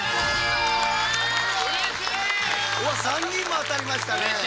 ３人も当たりましたね。